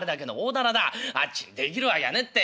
あっちにできるわけがねえって。